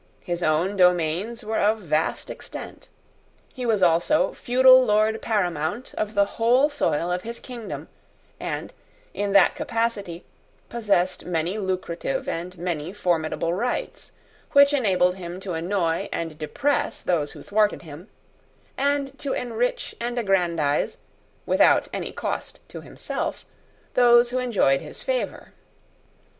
His own domains were of vast extent. He was also feudal lord paramount of the whole soil of his kingdom, and, in that capacity, possessed many lucrative and many formidable rights, which enabled him to annoy and depress those who thwarted him, and to enrich and aggrandise, without any cost to himself, those who enjoyed his favour.